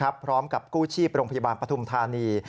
พร้อมกับกู้ชีพโรงพยาบาลปฐุมธานี